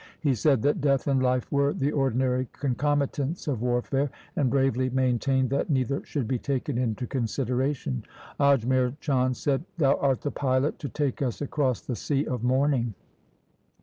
He said that death and life were the ordinary concomitants of warfare, and bravely maintained that neither should be taken into consideration. Ajmer Chand said, ' Thou art the pilot to take us across the sea of mourning.